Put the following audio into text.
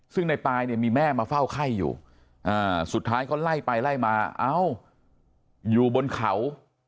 ซึ่งในปายเนี่ยมีแม่มาเฝ้าไข้อยู่สุดท้ายเขาไล่ไปไล่มาเอ้าอยู่บนเขา